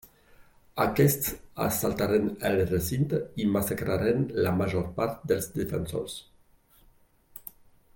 Aquests assaltaren el recinte i massacraren la major part dels defensors.